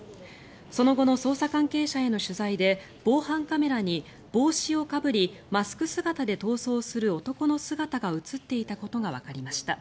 その後の捜査関係者への取材で防犯カメラに帽子をかぶりマスク姿で逃走する男の姿が映っていたことがわかりました。